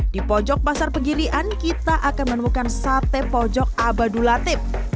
di pojok pasar pegirian kita akan menemukan sate pojok abadu latif